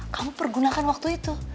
kamu pergunakan waktu itu